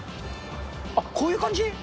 あっ、こういう感じ？